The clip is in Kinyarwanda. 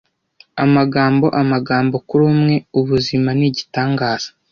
amagambo amagambo kuri umwe ubuzima ni igitangaza